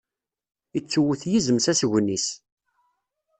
Ittuwwet yizem s asgen-is.